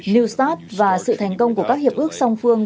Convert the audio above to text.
new start và sự thành công của các hiệp ước song phương